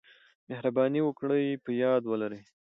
مهرباني وکړئ په یاد ولرئ: